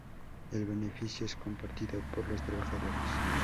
El beneficio es compartido por los trabajadores.